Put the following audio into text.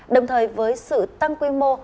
đồng thời với sự tăng quy mô